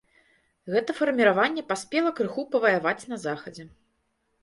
Гэта фарміраванне паспела крыху паваяваць на захадзе.